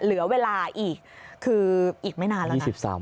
เหลือเวลาอีกคืออีกไม่นานแล้วนะ